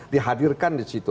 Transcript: dihadirkan di situ